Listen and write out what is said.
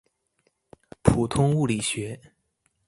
普通物理學